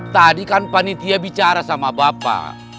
tadi kan panitia bicara sama bapak